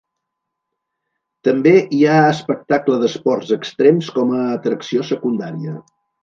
També hi ha espectacle d'esports extrems com a atracció secundària.